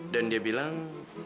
dan dia bilang